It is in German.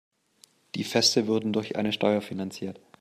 Die Feste wurden durch eine Steuer finanziert.